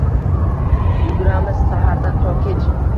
Yuguramiz sahardan to kech